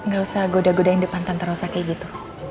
gak usah goda godain depan tante rosa kayak gitu